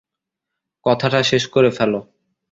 কথাটা শেষ করে ফেলো।